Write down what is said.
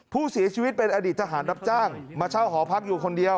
ผู้เสียชีวิตเป็นอดีตทหารรับจ้างมาเช่าหอพักอยู่คนเดียว